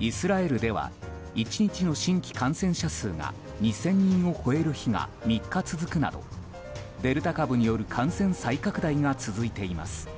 イスラエルでは１日の新規感染者数が２０００人を超える日が３日続くなどデルタ株による感染再拡大が続いています。